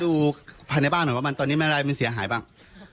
ดูภายในบ้านหน่อยว่ามันตอนนี้อะไรมันเสียหายบ้าง